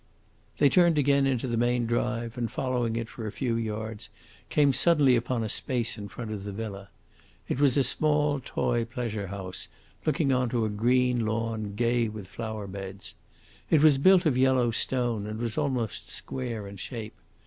They turned again into the main drive, and, following it for a few yards, came suddenly upon a space in front of the villa. It was a small toy pleasure house, looking on to a green lawn gay with flower beds. It was built of yellow stone, and was almost square in shape.